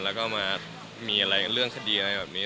แล้วก็มามีอะไรกับเรื่องคดีอะไรแบบนี้